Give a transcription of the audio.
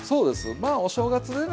まあお正月でね